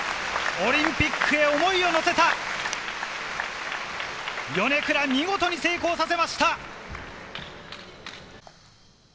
オリンピックへ思いを乗せたヨネクラ、見事に成功させました。